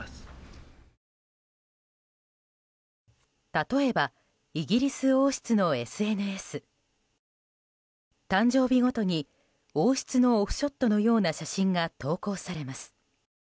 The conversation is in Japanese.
例えばイギリス王室のＳＮＳ。誕生日ごとに王室のオフショットのような写真が投稿されます。